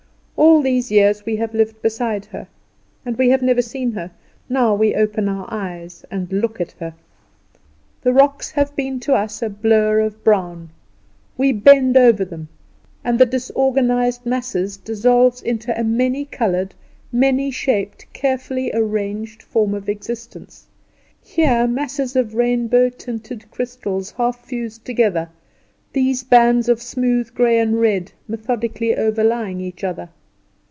All these years we have lived beside her, and we have never seen her; and now we open our eyes and look at her. The rocks have been to us a blur of brown: we bend over them, and the disorganised masses dissolve into a many coloured, many shaped, carefully arranged form of existence. Here masses of rainbow tinted crystals, half fused together; there bands of smooth grey and red methodically overlying each other.